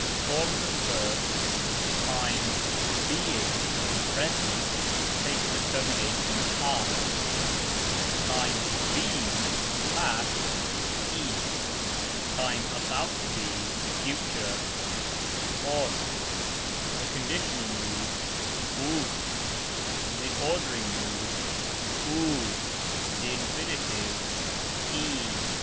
Forms of the verb; time "being" (Present) takes the termination " as;" time "been" (Past) " is"; time "about to be" (Future) " os"; the Conditional mood " us;" the Ordering mood " u;" the Indefinite " i."